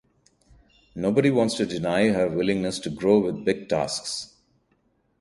Nobody wants to deny her willingness to grow with big tasks.